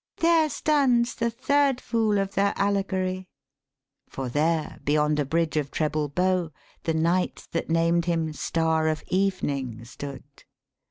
' There stands the third fool of their allegory/ For there beyond a bridge of treble bow, The knight that named him Star of Evening stood.